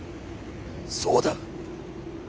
そうだ！